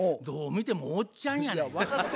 どう見てもおっちゃんやないか。